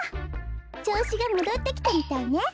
ちょうしがもどってきたみたいね。